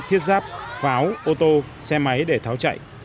thiết giáp pháo ô tô xe máy để tháo chạy